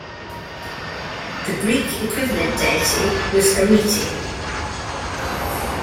The Greek equivalent deity was Arete.